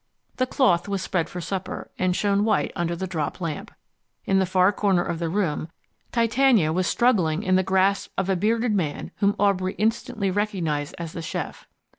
The cloth was spread for supper and shone white under the drop lamp. In the far corner of the room Titania was struggling in the grasp of a bearded man whom Aubrey instantly recognized as the chef.